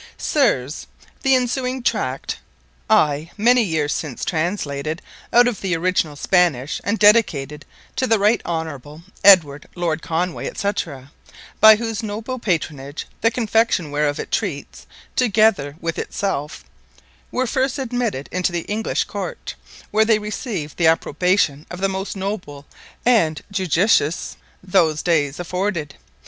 Sirs, _The ensuing Tract, I, many yeares since Translated out of the Originall Spanish, and Dedicated to the Right Honorable Edward Lord Conway, &c. by whose Noble Patronage, the Confection whereof it Treats, together with it selfe, were first admitted into the English Court, where they received the Approbation of the most Noble and Iuditious those dayes afforded.